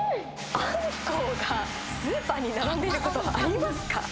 アンコウがスーパーに並んでいることありますか？